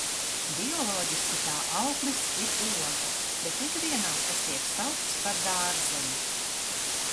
Bioloģiski tā auglis ir oga, bet ikdienā tas tiek saukts par dārzeni.